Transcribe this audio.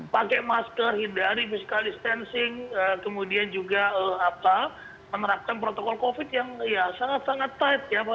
pakai masker hindari physical distancing kemudian juga menerapkan protokol covid yang sangat sangat tight